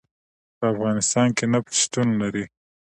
په افغانستان کې نفت شتون لري.